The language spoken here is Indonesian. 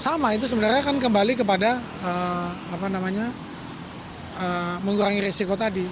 sama itu sebenarnya kan kembali kepada mengurangi risiko tadi